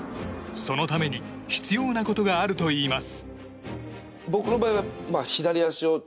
そのために必要なことがあるといいます。